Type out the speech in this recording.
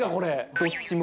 どっちも。